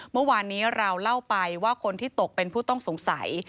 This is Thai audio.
เมื่อวานนี้เราเล่าไปว่าคนที่ตกเป็นผู้ต้องสงสัย